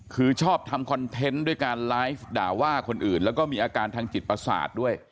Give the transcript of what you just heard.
คือชอบทำคอนเทนต์ด้วยการไลฟ์ด่าว่าคนอื่นแล้วก็มีอาการทางจิตประสาทด้วย